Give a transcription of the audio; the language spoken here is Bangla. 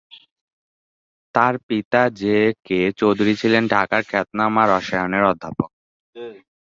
তার পিতা জে কে চৌধুরী ছিলেন ঢাকার খ্যাতনামা রসায়নের অধ্যাপক।